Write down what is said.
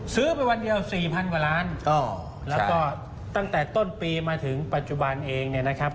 ซื้อไปวันเดียว๔๐๐กว่าล้านแล้วก็ตั้งแต่ต้นปีมาถึงปัจจุบันเองเนี่ยนะครับ